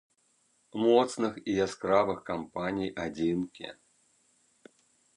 Моцных і яскравых кампаній адзінкі.